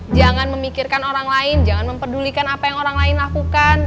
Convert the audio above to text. jangan memikirkan orang lain jangan mempedulikan apa yang orang lain lakukan